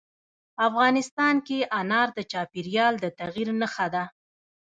افغانستان کې انار د چاپېریال د تغیر نښه ده.